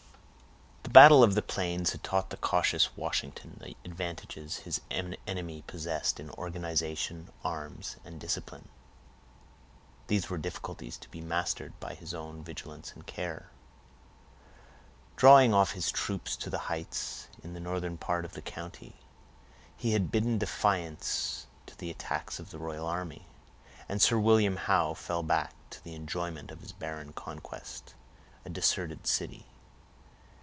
The battle of the Plains had taught the cautious Washington the advantages his enemy possessed in organization, arms, and discipline. These were difficulties to be mastered by his own vigilance and care. Drawing off his troops to the heights, in the northern part of the county, he had bidden defiance to the attacks of the royal army, and Sir William Howe fell back to the enjoyment of his barren conquest—a deserted city.